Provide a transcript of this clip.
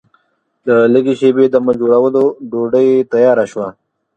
له لږ شېبې دمه جوړولو ډوډۍ تیاره شوه.